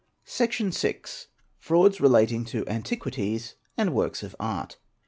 Section vi.—Frauds relating to antiquities and works of art '!